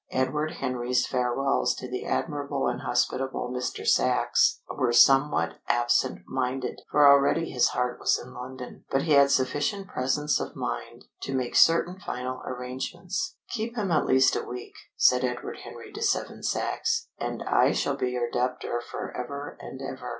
Edward Henry's farewells to the admirable and hospitable Mr. Sachs were somewhat absent minded, for already his heart was in London. But he had sufficient presence of mind to make certain final arrangements. "Keep him at least a week," said Edward Henry to Seven Sachs, "and I shall be your debtor for ever and ever."